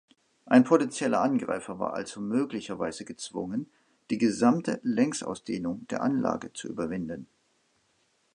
Ein potentieller Angreifer war also möglicherweise gezwungen, die gesamte Längsausdehnung der Anlage zu überwinden.